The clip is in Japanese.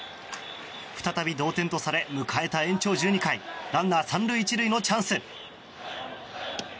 再び同点とされ迎えた延長１２回ランナー３塁１塁のチャンス。